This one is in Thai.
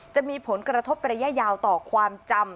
จะมีผลกระทบระยะยาวต่อความจำ